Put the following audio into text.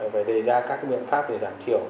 phải đề ra các biện pháp để giảm thiểu các ô nhiễm